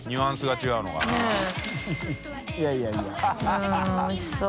うんおいしそう。